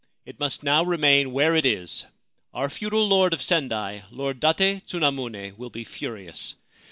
It must now remain where it is. Our feudal lord of Sendai, Lord Date Tsunamune, will be furious.